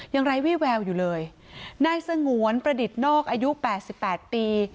ไร้วี่แววอยู่เลยนายสงวนประดิษฐ์นอกอายุ๘๘ปี